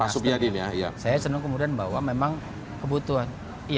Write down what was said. pak subyadin saya senang kemudian bahwa memang kebutuhan